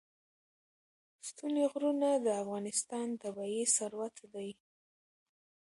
ستوني غرونه د افغانستان طبعي ثروت دی.